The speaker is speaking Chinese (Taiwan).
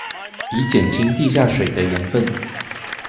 以減輕地下水的鹽分